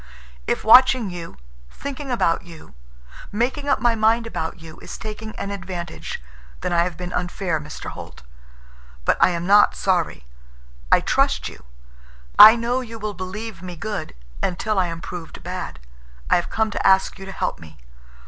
If watching you, thinking about you, making up my mind about you is taking an advantage—then I have been unfair, Mr. Holt. But I am not sorry. I trust you. I know you will believe me good until I am proved bad. I have come to ask you to help me.